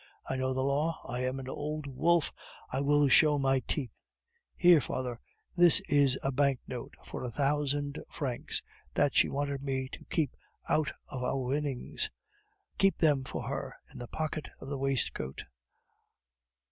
I know the law. I am an old wolf, I will show my teeth." "Here, father; this is a banknote for a thousand francs that she wanted me to keep out of our winnings. Keep them for her, in the pocket of the waistcoat."